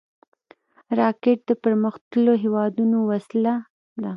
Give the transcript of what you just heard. راکټ د پرمختللو هېوادونو وسیله ده